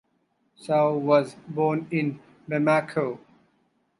Sow was born in Bamako.